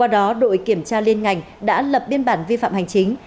đội kiểm tra liên ngành đã lập biên bản vi phạm hành chính